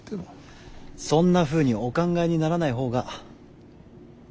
そんなふうにお考えにならない方が。